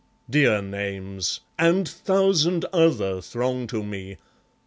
... Dear names, And thousand other throng to me!